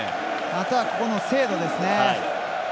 あとはここの精度ですね。